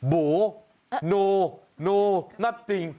โบ๋โนโนนัทฟิง